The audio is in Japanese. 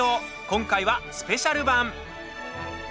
今回はスペシャル版。